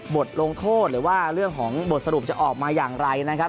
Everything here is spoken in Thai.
บทลงโทษหรือว่าเรื่องของบทสรุปจะออกมาอย่างไรนะครับ